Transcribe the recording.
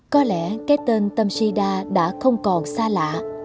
có lẽ cái tên tâm sida đã không còn xa lạ